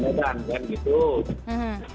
jadi saya akan jemput di sisi canon